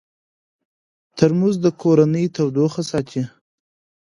ترموز د کورنۍ تودوخه ساتي.